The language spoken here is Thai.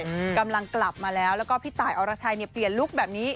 กำลังกลับมาแล้วแล้วก็พี่ตายอรชัยเนี่ยเปลี่ยนลุคแบบนี้